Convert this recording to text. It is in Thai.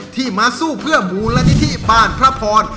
ที่มาสู้เพื่อมูลนิธิบ้านพระพร